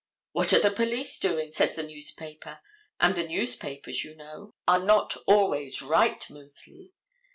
"What are the police doing?" says the newspaper, and the newspapers, you know, are not always right, mostly.